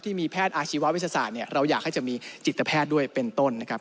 ที่มีแพทย์อาชีววิทยาศาสตร์เนี่ยเราอยากให้จะมีจิตแพทย์ด้วยเป็นต้นนะครับ